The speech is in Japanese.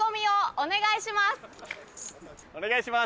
お願いします。